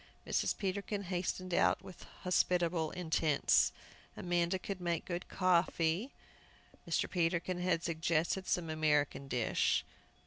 Mrs. Peterkin hastened out with hospitable intents. Amanda could make good coffee. Mr. Peterkin had suggested some American dish.